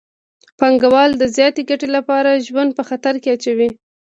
پانګوال د زیاتې ګټې لپاره ژوند په خطر کې اچوي